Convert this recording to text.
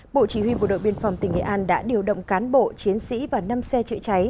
bộ chỉ huy bộ đội biên phòng tỉnh nghệ an đã điều động cán bộ chiến sĩ và năm xe chữa cháy